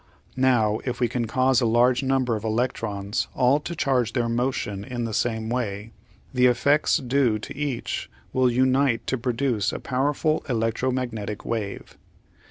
Now if we can cause a large number of electrons all to change their motion in the same way, the effects due to each will unite to pro duce a powerful electromagnetic wave.